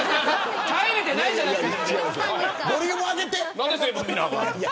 耐えられてないじゃないですか。